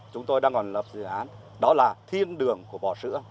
chúng tôi đang còn lập dự án đó là thiên đường của bò sữa